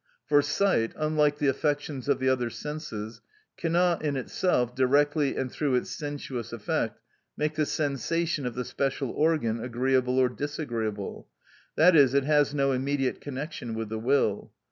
For sight, unlike the affections of the other senses, cannot, in itself, directly and through its sensuous effect, make the sensation of the special organ agreeable or disagreeable; that is, it has no immediate connection with the will.